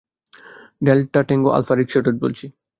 Delta tango alpha, ricochet বলছি।